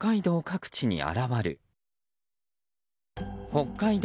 北海道